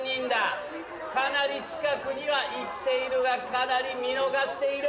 かなり近くには行っているがかなり見逃している。